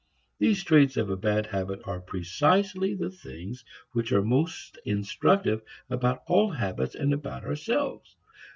These traits of a bad habit are precisely the things which are most instructive about all habits and about ourselves.